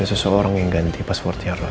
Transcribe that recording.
ada seseorang yang ganti passwordnya roy